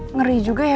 ngeri juga ya